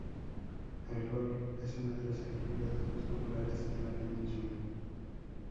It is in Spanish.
El golf es una de las actividades más populares de la península.